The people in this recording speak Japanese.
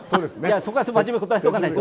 そこは真面目に答えておかないと。